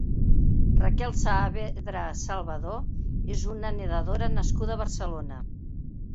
Raquel Saavedra Salvador és una nedadora nascuda a Barcelona.